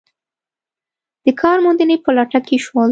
د کار موندنې په لټه کې شول.